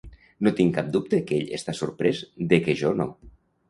No tinc cap dubte que ell està sorprès de que jo no.